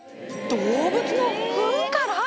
動物のふんから？